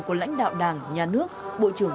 của lãnh đạo đảng nhà nước bộ trưởng